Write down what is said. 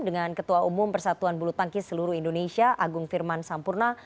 dengan ketua umum persatuan bulu tangkis seluruh indonesia agung firman sampurna